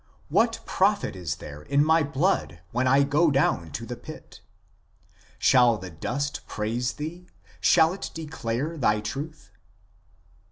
"What profit is there in my blood, when I go down to the pit ? Shall the dust praise Thee ? shall it declare Thy truth